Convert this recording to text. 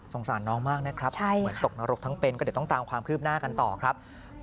สารน้องมากนะครับเหมือนตกนรกทั้งเป็นก็เดี๋ยวต้องตามความคืบหน้ากันต่อครับ